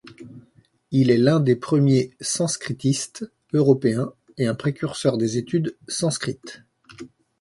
Il est l'un des premiers sanskritistes européens et un précurseur des études sanskrites.